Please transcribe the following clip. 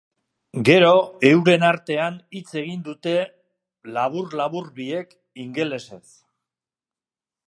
Gero euren artean hitz egin dute labur-labur biek, ingelesez.